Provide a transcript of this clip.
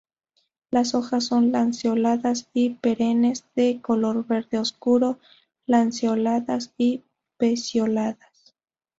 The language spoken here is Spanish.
Las hojas son lanceoladas y perennes de color verde oscuro, lanceoladas y pecioladas.